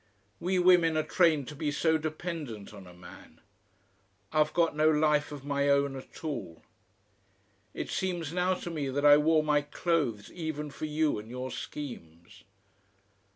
"We women are trained to be so dependent on a man. I've got no life of my own at all. It seems now to me that I wore my clothes even for you and your schemes....